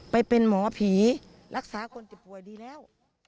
ไปเป็นหมอผีรักษาคนเจ็บป่วยดีแล้ว